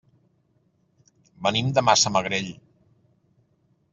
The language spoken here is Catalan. Venim de Massamagrell.